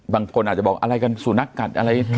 บางคนอาจจะบอกอะไรกันสุนัขกัดอะไร